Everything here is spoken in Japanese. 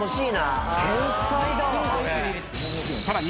［さらに］